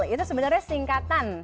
itu sebenarnya singkatan